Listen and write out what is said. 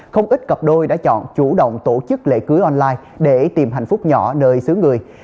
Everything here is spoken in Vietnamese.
không ít cặp đôi đã chọn chủ động tổ chức lễ cưới online để tìm hạnh phúc nhỏ nơi xứ người